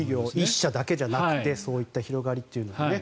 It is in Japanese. １社だけじゃなくてそういった広がりというのがね。